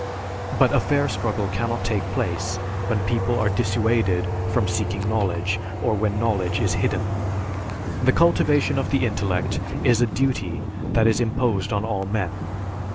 But a fair struggle cannot take place when people are dissuaded from seeking knowledge, or when knowledge is hidden." The cultivation of the intellect is a duty that is imposed on all men.